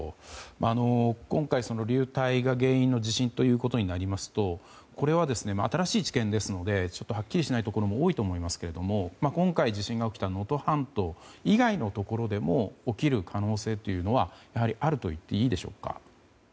今回、流体が原因の地震ということになりますとこれは新しい知見なのではっきりしないところも多いと思いますけれど今回、地震が起きた能登半島以外のところでも起きる可能性は、やはりあるといっていいでしょうか？